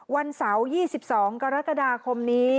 วันเสาร์๒๒กรกฎาคมนี้